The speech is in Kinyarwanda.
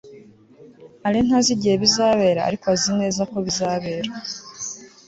alain ntazi igihe bizabera, ariko azi neza ko bizabera